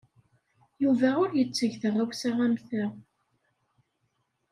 Yuba ur yetteg taɣawsa am ta.